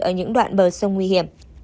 ở những đoạn bờ sông nguy hiểm